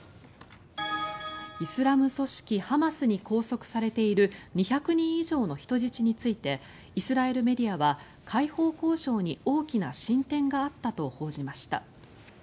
イスラム組織ハマスに拘束されている２００人以上の人質についてイスラエルメディアは解放交渉に大きな進展があったと報じました。